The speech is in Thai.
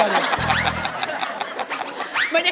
ฮ่าฮ่าฮ่าฮ่า